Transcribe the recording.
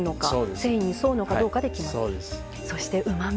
繊維に沿うのかどうかで決まっていく。